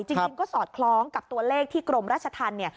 จริงก็สอดคล้องกับตัวเลขที่กรมราชธรรมเนี่ย